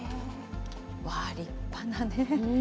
わー、立派なね。